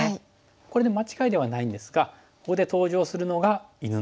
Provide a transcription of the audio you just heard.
これで間違いではないんですがここで登場するのが犬の顔。